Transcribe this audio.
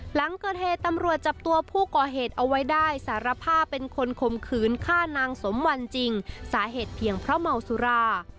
หลังเกิดเหตุตำรวจจับตัวผู้ก่อเหตุเอาไว้ได้สารภาพเป็นคนข่มขืนฆ่านางสมวันจริงสาเหตุเพียงเพราะเมาสุรา